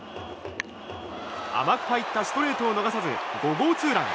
甘く入ったストレートを逃さず５号ツーラン。